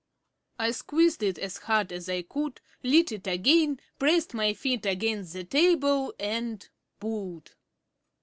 I squeezed it as hard as I could, lit it again, pressed my feet against the table and pulled.